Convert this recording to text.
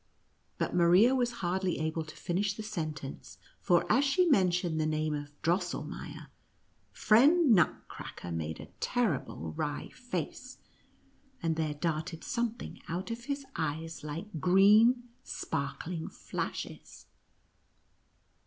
But Maria was hardly able to finish the sentence, for as she mentioned the name of Drosselmeier, friend Nutcracker made a terrible wry face, and there darted something out of his eyes like green sparkling flashes.